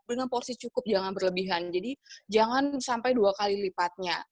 dengan porsi cukup jangan berlebihan jadi jangan sampai dua kali lipatnya